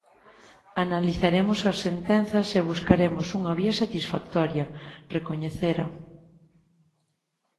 "Analizaremos as sentenzas e buscaremos unha vía satisfactoria", recoñecera.